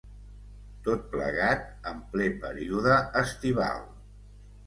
Tot plegat en ple període estival.